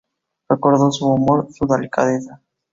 Recuerdo su humor, su delicadeza.